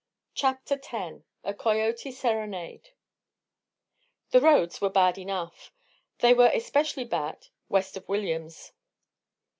CHAPTER X A COYOTE SERENADE The roads were bad enough. They were especially bad west of Williams.